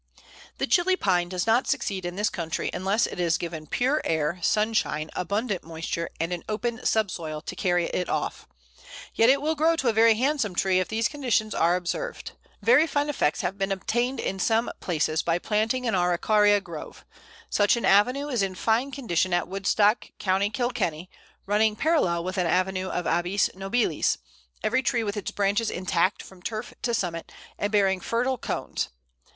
The Chili Pine does not succeed in this country unless it is given pure air, sunshine, abundant moisture, and an open subsoil to carry it off. Yet it will grow to a very handsome tree if these conditions are observed. Very fine effects have been obtained in some places by planting an Araucaria grove. Such an avenue is in fine condition at Woodstock, Co. Kilkenny (running parallel with an avenue of Abies nobilis), every tree with its branches intact from turf to summit, and bearing fertile cones.